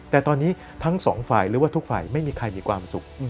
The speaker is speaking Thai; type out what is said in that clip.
แต่ตอนนี้ทั้งสองฝ่ายหรือว่าทุกฝ่ายไม่มีใครมีความสุข